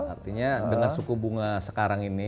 artinya dengan suku bunga sekarang ini